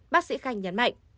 bác sĩ khanh nhấn mạnh